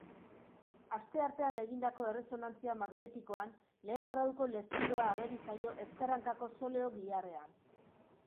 Asteartean egindako erresonantzia magnetikoan lehen graduko lesioa ageri zaio ezker hankako soleo giharrean.